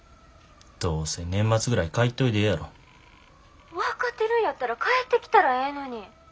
どうせ「年末ぐらい帰っといで」やろ。分かってるんやったら帰ってきたらええのに。